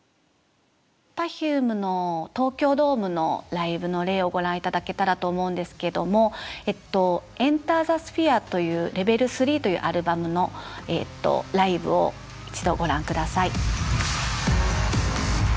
Ｐｅｒｆｕｍｅの東京ドームのライブの例をご覧頂けたらと思うんですけども「ＥｎｔｅｒｔｈｅＳｐｈｅｒｅ」という「ＬＥＶＥＬ３」というアルバムのライブを一度ご覧下さい。